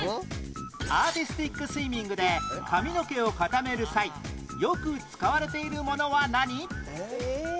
アーティスティックスイミングで髪の毛を固める際よく使われているものは何？